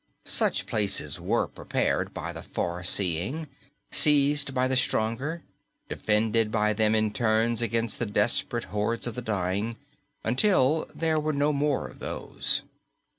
Such places were prepared by the far seeing, seized by the stronger, defended by them in turn against the desperate hordes of the dying ... until there were no more of those.